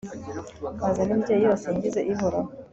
bazane imbyeyi basingize ihoraho